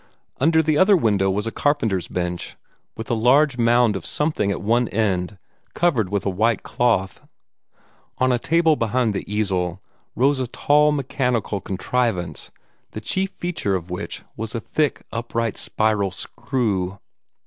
Under the other window was a carpenter's bench, with a large mound of something at one end covered with a white cloth. On a table behind the easel rose a tall mechanical contrivance, the chief feature of which was a thick upright spiral screw.